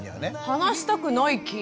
「離したくない期」？